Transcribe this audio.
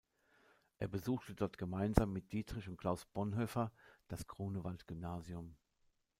Er besuchte dort gemeinsam mit Dietrich und Klaus Bonhoeffer das Grunewald-Gymnasium.